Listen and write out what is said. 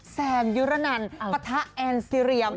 แซมยุรนันปะทะแอนซีเรียม